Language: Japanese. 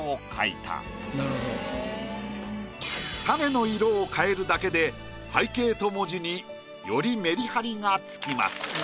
種の色を変えるだけで背景と文字によりメリハリがつきます。